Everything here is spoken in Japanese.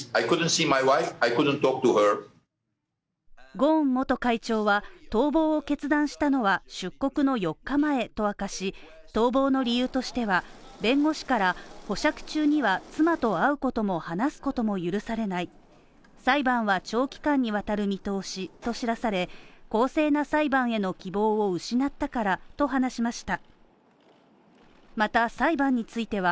ゴーン元会長は逃亡を決断したのは、出国の４日前と明かし、逃亡の理由としては、弁護士から保釈中には、妻と会うことも話すことも許されない裁判は長期間にわたる見通しと知らされ、公正な裁判への希望を失ったからと話しました。